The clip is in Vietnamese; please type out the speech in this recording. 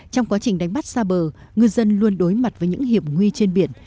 trong quá trình đánh bắt xa bờ ngư dân luôn đối mặt với những hiểm nguy trên biển